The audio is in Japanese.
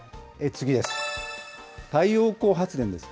次です。